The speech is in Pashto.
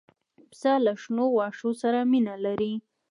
پسه له شنو واښو سره مینه لري.